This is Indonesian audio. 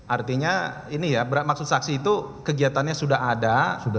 artinya ini ya maksud saksi itu kegiatannya sudah ada